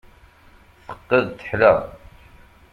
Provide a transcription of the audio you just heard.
Teqqed, teḥla.